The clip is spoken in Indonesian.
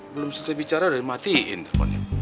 belum selesai bicara udah dimatikan teleponnya